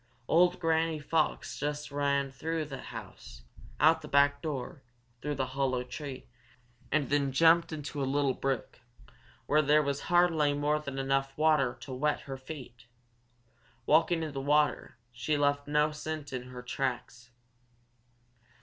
Old Granny Fox just ran through the house, out the back door, through the hollow tree, and then jumped into a little brook where there was hardly more than enough water to wet her feet. Walking in the water, she left no scent in her tracks.